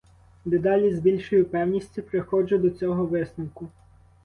Дедалі з більшою певністю приходжу до цього висновку.